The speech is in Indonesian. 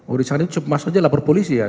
oh di sana cemas saja lapor ke polisi ya